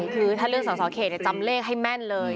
คือถ้าเลือกสอสอเขตจำเลขให้แม่นเลย